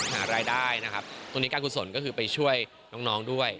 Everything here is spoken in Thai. หารายได้นะครับตรงนี้การกุศลก็คือไปช่วยน้องน้องด้วย